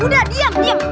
udah diam diam